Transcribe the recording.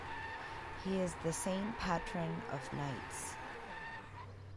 He is the saint patron of knights.